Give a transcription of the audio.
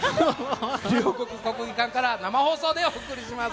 両国国技館から生放送でお送りします。